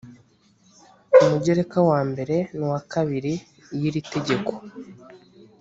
ku mugereka wa mbere n uwa kabiri y iri tegeko